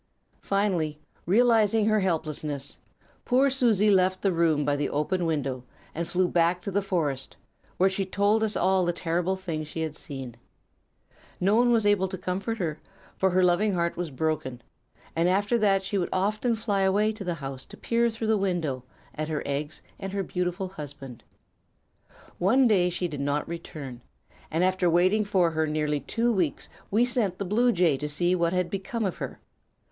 "Finally, realizing her helplessness, poor Susie left the room by the open window and flew back to the forest, where she told us all the terrible thing she had seen. No one was able to comfort her, for her loving heart was broken; and after that she would often fly away to the house to peer through the window at her eggs and her beautiful husband. "One day she did not return, and after waiting for her nearly two weeks we sent the bluejay to see what had become of her.